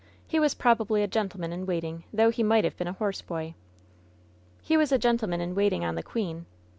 He was probably a gentleman in waiting, though he might have been a horse boy !" "He was a gentleman in waiting on the queen.